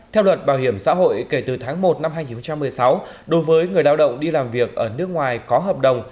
theo luật bảo hiểm xã hội kể từ tháng một năm hai nghìn một mươi sáu đối với người lao động đi làm việc ở nước ngoài có hợp đồng